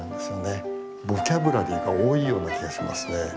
ボキャブラリーが多いような気がしますね。